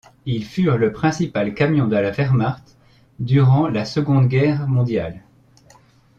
Ils furent le principal camion de la Wehrmacht durant la Seconde Guerre mondiale.